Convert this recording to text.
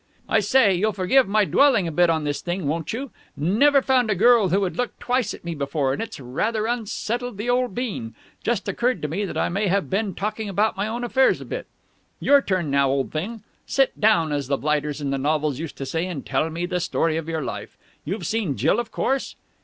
"I say! You'll forgive my dwelling a bit on this thing, won't you? Never found a girl who would look twice at me before, and it's rather unsettled the old bean. Just occurred to me that I may have been talking about my own affairs a bit. Your turn now, old thing. Sit down, as the blighters in the novels used to say, and tell me the story of your life. You've seen Jill, of course?"